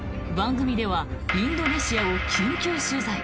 番組ではインドネシアを緊急取材。